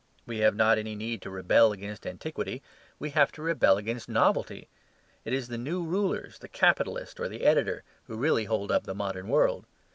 We have not any need to rebel against antiquity; we have to rebel against novelty. It is the new rulers, the capitalist or the editor, who really hold up the modern world.